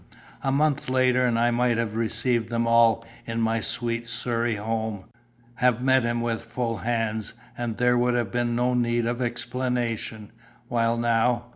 A month later and I might have received them all in my sweet Surrey home, have met him with full hands, and there would have been no need of explanation, while now!"